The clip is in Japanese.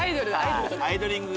アイドリング！！！